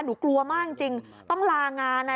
กลัวมากจริงต้องลางาน